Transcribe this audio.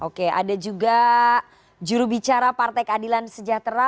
oke ada juga jurubicara partai keadilan sejahtera